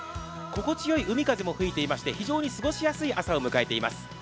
心地よい海風も吹いていまして非常に過ごしやすい朝を迎えています。